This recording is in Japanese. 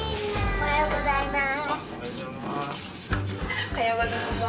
おはようございます。